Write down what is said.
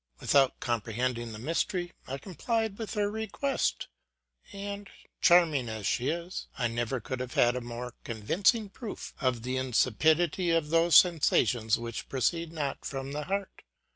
With out comprehending the mystery, I complied with her request ; and, charming as she is, I never could have had a more con vincing proof of the insipidity of those sensations which proceed not from the heart.